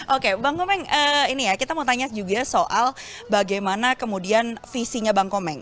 oke bang komeng ini ya kita mau tanya juga soal bagaimana kemudian visinya bang komeng